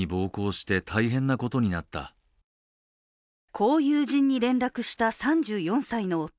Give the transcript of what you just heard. こう友人に連絡した３４歳の夫。